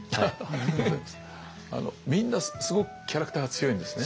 みんなすごくキャラクターが強いんですね。